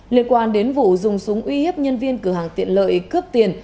liên quan đến vụ dùng súng uy hiếp nhân viên cửa hàng tiện lợi cướp tiền